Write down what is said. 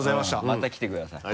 また来てください。